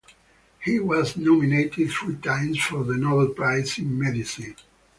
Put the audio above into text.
He was nominated three times for the Nobel prize in medicine.